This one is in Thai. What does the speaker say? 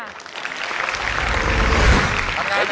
อยากต้องไปเล่นด้วย